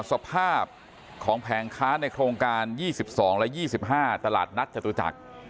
อ่าสภาพของแผงค้าในโครงการยี่สิบสองและยี่สิบห้าตลาดนัดจตุจักร